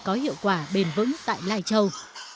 các nhà đầu tư có hiệu quả bền vững tại lai châu